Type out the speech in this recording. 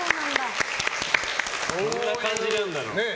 どんな感じなんだろう？